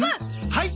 はい！